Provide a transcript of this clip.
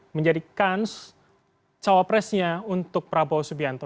menjadikan cawapresnya untuk prabowo subianto